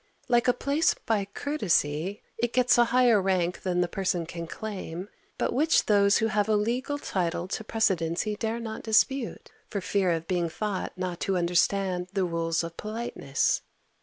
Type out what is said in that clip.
Like a place by courtesy, it gets a higher rank than the person can claim, but which those who have a legal title to precedency dare not dispute, for fear of being thought not to understand the rules of politeness.